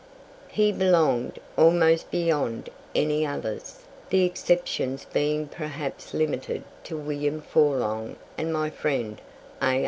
He belonged, almost beyond any others the exceptions being perhaps limited to William Forlong and my friend A.